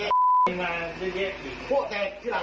โอ้โฮเจ๊อี๊มาพี่เก๊โอ้โฮเจ๊ที่หลัง